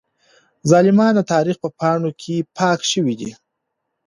ظالمان د تاريخ په پاڼو کې پاک شوي دي.